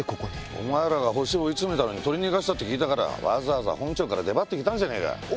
お前らがホシ追い詰めたのに取り逃がしたって聞いたからわざわざ本庁から出張って来たんじゃねえか！